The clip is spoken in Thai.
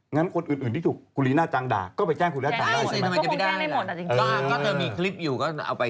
งั้นคนอื่นนี่ถูก